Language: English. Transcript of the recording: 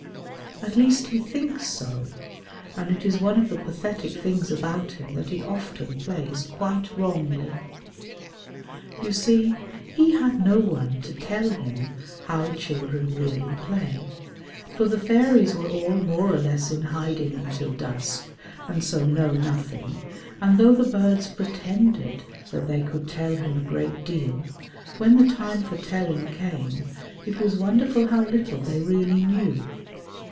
At least he thinks so, and it is one of the pathetic things about him that he often plays quite wrongly. You see, he had no one to tell him how children really play, for the fairies were all more or less in hiding until dusk, and so know nothing, and though the birds pretended that they could tell him a great deal, when the time for telling came, it was wonderful how little they really knew.